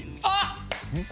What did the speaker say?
あっ！